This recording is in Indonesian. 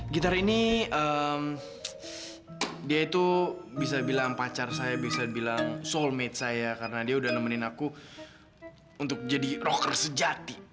gitar ini bisa dibilang pacar saya bisa dibilang soulmate saya karena dia sudah menemani aku untuk jadi rocker sejati